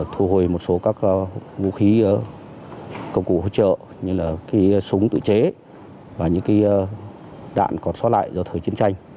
thu hồi một số các vũ khí công cụ hỗ trợ như là súng tự chế và những đạn còn xó lại do thời chiến tranh